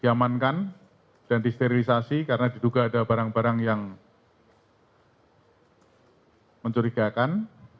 diamankan dan disterilisasi karena diduga ada barang barang yang mencurigakan